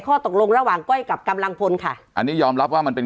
ข้อตกลงระหว่างก้อยกับกำลังพลค่ะอันนี้ยอมรับว่ามันเป็น